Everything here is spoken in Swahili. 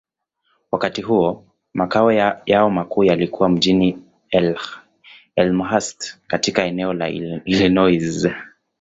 Wakati huo, makao yao makuu yalikuwa mjini Elmhurst, katika eneo la Illinois.